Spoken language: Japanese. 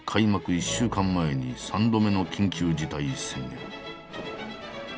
１週間前に３度目の緊急事態宣言。